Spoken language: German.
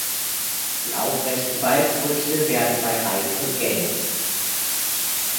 Die aufrechten Balgfrüchte werden bei Reife gelb.